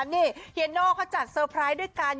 นี่เฮียโน่เขาจัดเซอร์ไพรส์ด้วยกัน